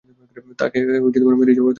তাকে মেরেই যাবো।